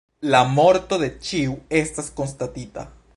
La morto de ĉiu estas konstatita.